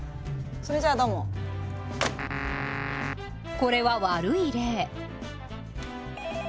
これは悪い例。